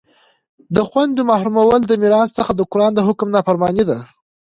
د خویندو محرومول د میراث څخه د قرآن د حکم نافرماني ده